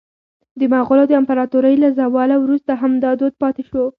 د مغولو د امپراطورۍ له زواله وروسته هم دا دود پاتې شو.